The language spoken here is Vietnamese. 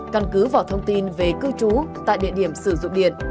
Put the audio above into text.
căn cứ vào thông tin về cư trú tại địa điểm sử dụng điện